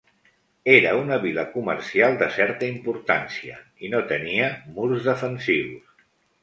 Era una vila comercial de certa importància i no tenia murs defensius.